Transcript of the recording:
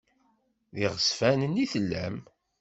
D iɣezfanen i tellam?